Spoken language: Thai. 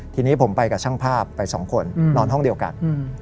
ทีนี้ผมไปกับช่างภาพไปสองคนนอนห้องเดียวกัน